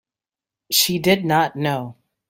She did not know.